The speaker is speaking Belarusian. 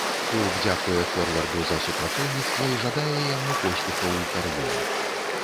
Клуб дзякуе форварду за супрацоўніцтва і жадае яму поспехаў у кар'еры.